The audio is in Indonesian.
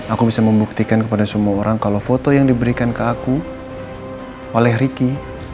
aku bisa membuktikan kepada semua orang kalau foto yang diberikan ke aku oleh ricky